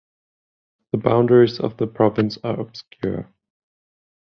The boundaries of the province are obscure.